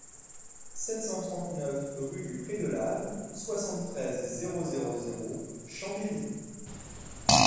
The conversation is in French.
sept cent trente-neuf rue du Pré de l'Âne, soixante-treize, zéro zéro zéro, Chambéry